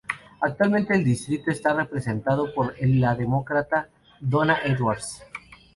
Actualmente el distrito está representado por la Demócrata Donna Edwards.